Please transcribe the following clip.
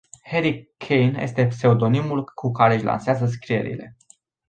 Harry Caine este pseudonimul cu care își lansează scrierile.